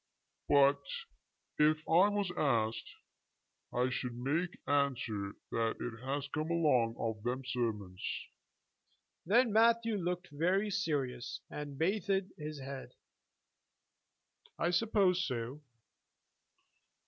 But if I was asked I should make answer that it has come along of them sermons." Then Matthew looked very serious, and bathed his head. "I suppose so."